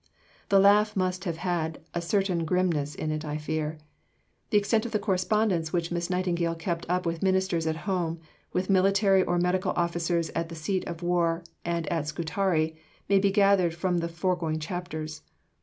The laugh must have had a certain grimness in it, I fear. The extent of the correspondence which Miss Nightingale kept up with Ministers at home, with military and medical officers at the seat of war and at Scutari, may be gathered from the foregoing chapters.